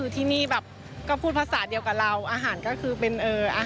ที่นี้ก็พูดภาษาเดียวกับเรา